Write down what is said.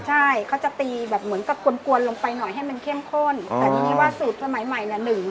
ใช่เขาจะตีแบบเหมือนกับกวนกวนลงไปหน่อยให้มันเข้มข้นแต่ทีนี้ว่าสูตรสมัยใหม่เนี่ย